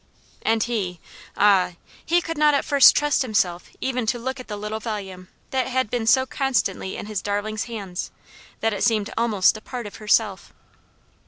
And he ah! he could not at first trust himself even to look at the little volume that had been so constantly in his darling's hands, that it seemed almost a part of herself.